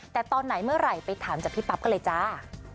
แต่ตอนไหนเมื่อไหร่ไปถามจากพี่ปั๊บก็เลยจ้า